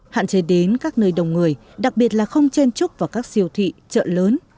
hạn chế đến các nơi đông người đặc biệt là không chen trúc vào các siêu thị chợ lớn